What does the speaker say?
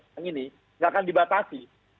yang ini nggak akan dibatasi